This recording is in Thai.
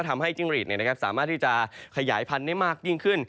ทำให้จิ้งลีทสามารถที่จะขยายพันได้มากยิ่งขึ้น